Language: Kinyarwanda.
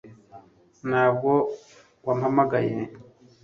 ntabwo wampamagaye